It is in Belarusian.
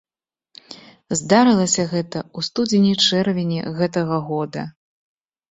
Здарылася гэта ў студзені-чэрвені гэтага года.